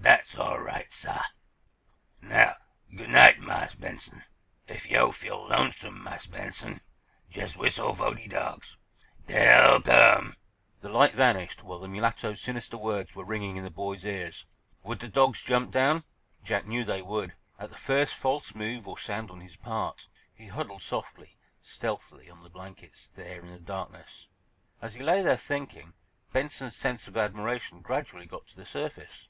"Dat's all right, sah. Now, good night, Marse Benson. Ef yo' feel lonesome, Marse Benson, jes' whistle fo' de dawgs. Dey'll come!" The light vanished while the mulatto's sinister words were ringing in the boy's ears. Would the dogs jump down? Jack knew they would, at the first false move or sound on his part. He huddled softly, stealthily, on the blankets, there in the darkness. As he lay there, thinking, Benson's sense of admiration gradually got to the surface.